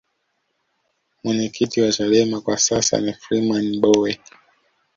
mwenyekiti wa chadema kwa sasa ni freeman mbowe